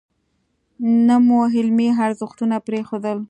نه مو علمي ارزښتونه پرېښودل.